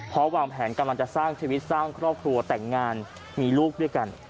เพราะวางแผนกำลังจะสร้างชีวิตสร้างครอบครัวแต่งงานมีลูกด้วยกัน